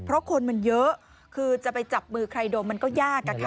เพราะคนมันเยอะคือจะไปจับมือใครดมมันก็ยากอะค่ะ